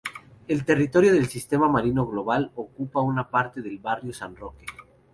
El territorio del sistema Marino global ocupa una parte del Barrio San Roque.